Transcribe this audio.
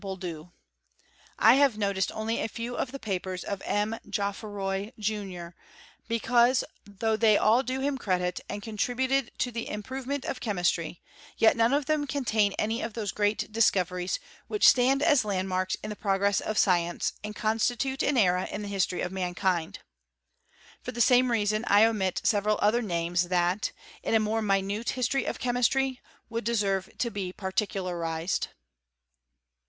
Boulduc. i have noticed only a few of the papers of M. Geotfroy, junior; because, though they all do hits credit, and contributed to the improvement of che laistry, yet none of them contain any of those great. CHEMISTRY Of THB SXTEVTEEHTH GEKTURY. 245 diflooveries, which stand as landmarks in the progress fOf sdence, and constitute an era in the history of joankind. For the same reason I omit several other names that, in a more minute history of chemistry, would desenre to be particularized.